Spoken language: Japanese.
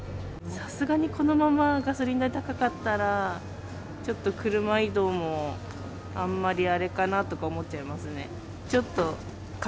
さすがにこのままガソリン代高かったら、ちょっと車移動も、あんまりあれかなとか思っちゃいますね。